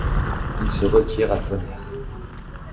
Il se retire à Tonnerre.